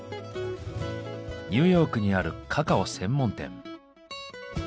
ニューヨークにあるカカオ専門店。